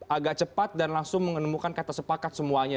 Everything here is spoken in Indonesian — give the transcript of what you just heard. agak cepat dan langsung menemukan kata sepakat semuanya